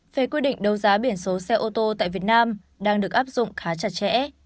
phê quy định đấu giá biển số xe ô tô tại việt nam đang được áp dụng khá chặt chẽ